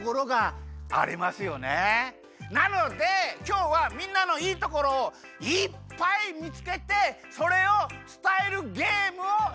なのできょうはみんなのいいところをいっぱい見つけてそれを伝えるゲームをします！